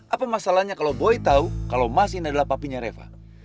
apa masalahnya kalau boy tau kalau mas ini adalah papinya reva